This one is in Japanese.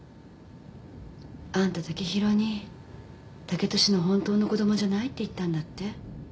あんた剛洋に剛利の本当の子供じゃないって言ったんだって？